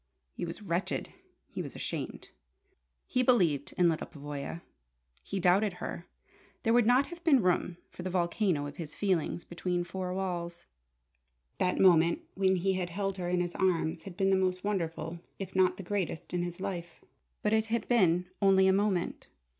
He was wretched. He was ashamed. He believed in Lyda Pavoya. He doubted her. There would not have been room for the volcano of his feelings between four walls. That moment when he had held her in his arms had been the most wonderful if not the greatest in his life. But it had been only a moment.